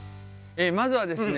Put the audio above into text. まずはですね